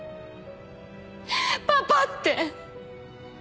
「パパ」って。